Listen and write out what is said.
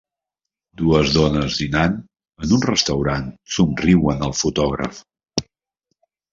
Dues dones dinant en un restaurant somriuen al fotògraf.